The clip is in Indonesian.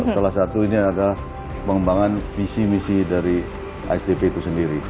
salah satunya ada pengembangan visi visi dari sdp itu sendiri